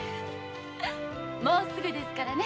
もうすぐですからね。